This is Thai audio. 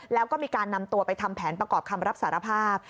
แล้วก็มีการนำตัวไปทำแผนประกอบคำรับสารภาพ